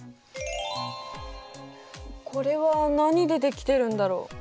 これは何でできてるんだろう？